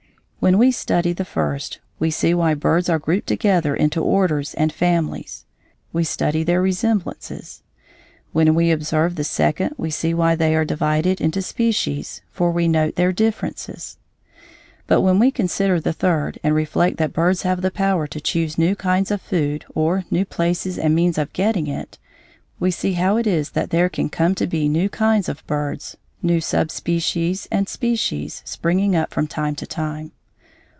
When we study the first we see why birds are grouped together into orders and families: we study their resemblances. When we observe the second we see why they are divided into species, for we note their differences. But when we consider the third and reflect that birds have the power to choose new kinds of food or new places and means of getting it, we see how it is that there can come to be new kinds of birds, new subspecies and species, springing up from time to time.